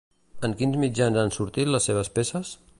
En quins mitjans han sortit les seves peces?